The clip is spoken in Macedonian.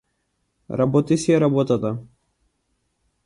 Работи си ја работата.